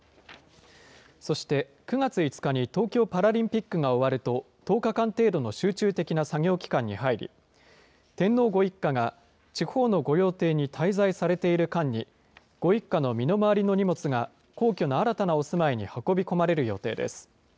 そして９月５日に東京パラリンピックが終わると１０日間程度の集中的な作業期間に入り、天皇ご一家が地方の御用邸に滞在されている間に、ご一家の身の回りの荷物が皇居の新たなお住まいに運び込まれる予定です。